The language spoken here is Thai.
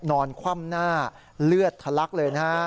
นอนคว่ำหน้าเลือดทะลักเลยนะฮะ